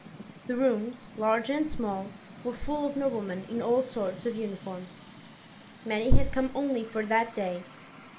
The rooms, large and small, were full of noblemen in all sorts of uniforms. Many had come only for that day.